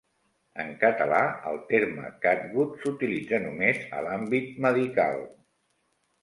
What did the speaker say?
En català, el terme catgut s'utilitza només a l'àmbit medical.